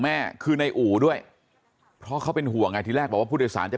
แม่คือในอู่ด้วยเพราะเขาเป็นห่วงไงที่แรกบอกว่าผู้โดยสารจะ